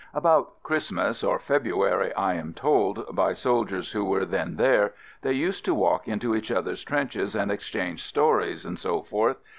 About Christ mas or February, I am told, by soldiers who were then here, they used to walk into each other's trenches and exchange stories, etc.